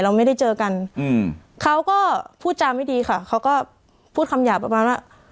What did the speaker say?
เราไม่ได้เจอกันอืมเขาก็พูดจาไม่ดีค่ะเขาก็พูดคำหยาบประมาณว่า